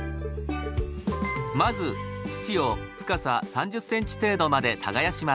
まず土を深さ３０ｃｍ程度まで耕します。